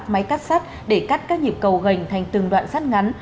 máy cắt sắt để cắt các nhịp cầu gành thành từng đoạn sát ngắn